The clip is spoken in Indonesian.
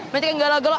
banyak yang galau galau